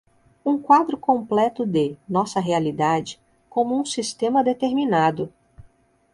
um quadro completo de, nossa realidade, como um sistema determinado